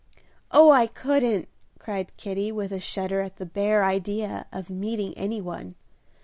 "Oh, I couldn't," cried Kitty, with a shudder at the bare idea of meeting any one.